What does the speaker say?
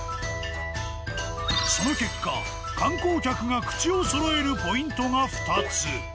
その結果観光客が口をそろえるポイントが２つ。